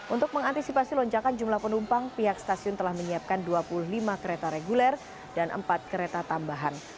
untuk mengantisipasi lonjakan jumlah penumpang pihak stasiun telah menyiapkan dua puluh lima kereta reguler dan empat kereta tambahan